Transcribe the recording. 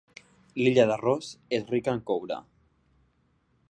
L'illa de Ross és rica en coure.